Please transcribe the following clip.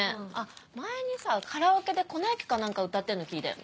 前にさカラオケで『粉雪』か何か歌ってんの聴いたよね。